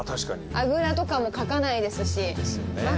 あぐらとかもかかないですし。